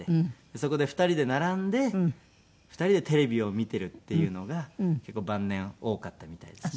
そこで２人で並んで２人でテレビを見ているっていうのが結構晩年多かったみたいですね。